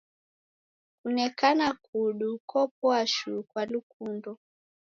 Kunekana kudu kopoa shuu kwa lukundo.